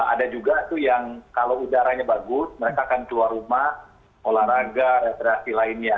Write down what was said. ada juga tuh yang kalau udaranya bagus mereka akan keluar rumah olahraga rekreasi lainnya